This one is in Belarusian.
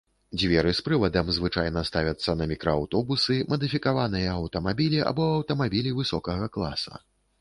Дзверы з прывадам звычайна ставяцца на мікрааўтобусы, мадыфікаваныя аўтамабілі або аўтамабілі высокага класа.